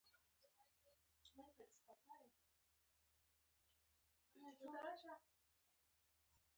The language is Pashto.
هر اعلان باید هدفمند وي.